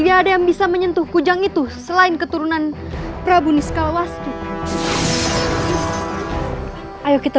jangan coba coba menyentuh kudang kembar itu